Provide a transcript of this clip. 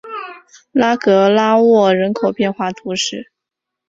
拉格拉沃人口变化图示